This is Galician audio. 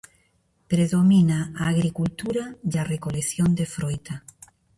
Predomina a agricultura e a recolección de froita.